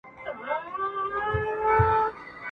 افسر وویل تا وژنم دلته ځکه !.